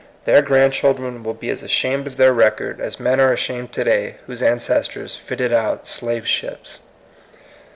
Their grandchil dren will be as ashamed of their record as SHOBT CUTS TO SUCCESS. 87 men are ashamed to day whose ancestors fitted out slave ships.